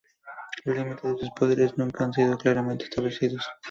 Los límites de sus poderes nunca han sido claramente establecidos.